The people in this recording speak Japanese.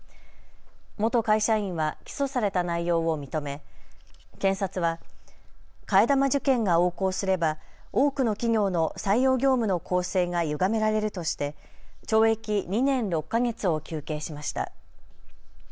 元会社員は起訴された内容を認め検察は替え玉受験が横行すれば多くの企業の採用業務の公正がゆがめられるとして懲役２年６か月を求刑しました。